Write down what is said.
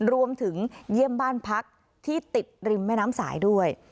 เยี่ยมบ้านพักที่ติดริมแม่น้ำสายด้วย